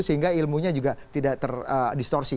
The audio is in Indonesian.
sehingga ilmunya juga tidak terdistorsi